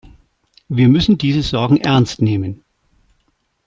Wir müssen diese Sorgen ernst nehmen.